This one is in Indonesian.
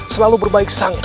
selalu berbaik sangka